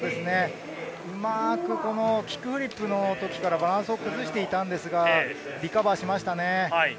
うまくキックフリップの時からバランスを崩していたんですが、リカバーしましたね。